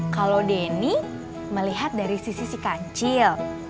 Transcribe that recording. kalau denny melihat dari sisi si kancil